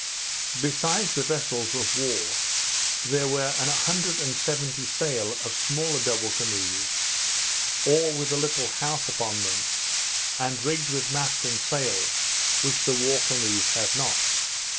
Besides the vessels of war, there were an hundred and seventy sail of smaller double canoes, all with a little house upon them, and rigged with mast and sail, which the war canoes had not.